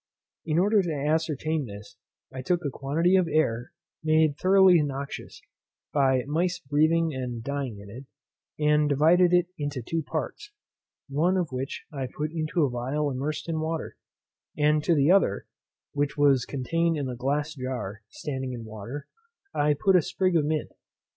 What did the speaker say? In order to ascertain this, I took a quantity of air, made thoroughly noxious, by mice breathing and dying in it, and divided it into two parts; one of which I put into a phial immersed in water; and to the other (which was contained in a glass jar, standing in water) I put a sprig of mint.